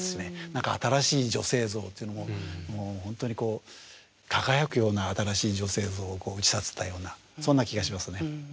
何か新しい女性像というのをもう本当に輝くような新しい女性像を打ち立てたようなそんな気がしますね。